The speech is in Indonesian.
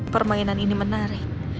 permainan ini menarik